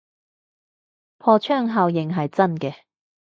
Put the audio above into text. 破窗效應係真嘅